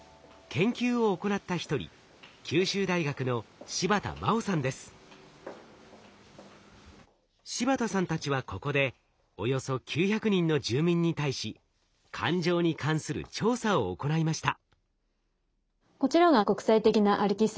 研究を行った一人柴田さんたちはここでおよそ９００人の住民に対し感情に関する調査を行いました。